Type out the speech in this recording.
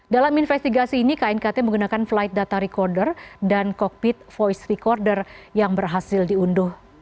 dalam investigasi ini knkt menggunakan flight data recorder dan cockpit voice recorder yang berhasil diunduh